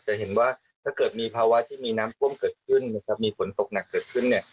จะเห็นว่าถ้าเกิดมีภาวะที่มีน้ำท่วมเกิดขึ้นนะครับมีฝนตกหนักเกิดขึ้นเนี่ย